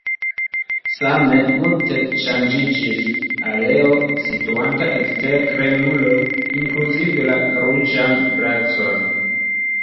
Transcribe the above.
Same multe ŝanĝiĝis areo situanta ekster Kremlo, inkluzive la Ruĝan placon.